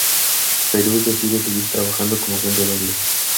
Ferus decide seguir trabajando como agente doble.